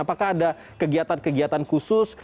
apakah ada kegiatan kegiatan khusus